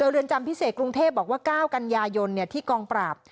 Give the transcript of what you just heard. เรือนจำพิเศษกรุงเทพบอกว่า๙กันยายนที่กองปราบ